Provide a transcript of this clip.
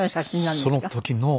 その時の。